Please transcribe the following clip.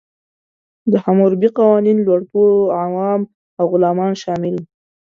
د حموربي قوانین لوړپوړو، عوام او غلامان شامل وو.